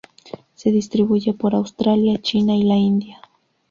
Se distribuye por Australia, China y la India.